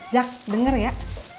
jak denger ya